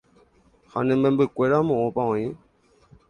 ha ne membykuéra moõpa oĩ